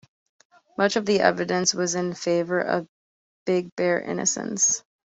Much of the evidence was in favour of Big Bear innocence.